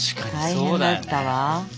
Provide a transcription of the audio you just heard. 大変だったわ。